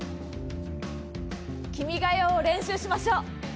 『君が代』を練習しましょう！